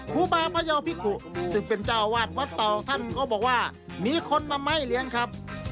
ครูบาพยาวภิกุซึ่งเป็นเจ้าวาดวัดเตาท่านก็บอกว่ามีคนนำไม้เลี้ยงครับ